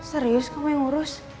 serius kamu mau ngurus